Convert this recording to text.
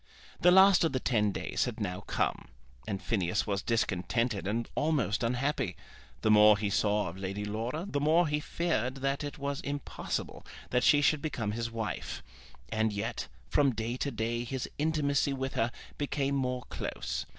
The last of the ten days had now come, and Phineas was discontented and almost unhappy. The more he saw of Lady Laura the more he feared that it was impossible that she should become his wife. And yet from day to day his intimacy with her became more close.